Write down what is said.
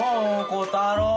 コタロー！